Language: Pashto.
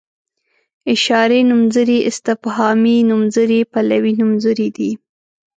اشاري نومځري استفهامي نومځري پلوي نومځري دي.